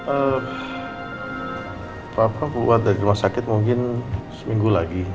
apa apa keluar dari rumah sakit mungkin seminggu lagi